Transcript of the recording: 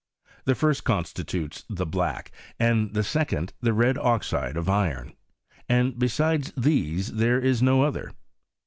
The first constitutes the black, and the second the red oxide of iron ; and beside these there is no other.